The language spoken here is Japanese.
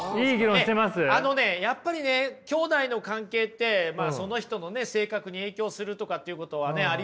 あのねやっぱりねきょうだいの関係ってその人の性格に影響するとかっていうことはありますしね。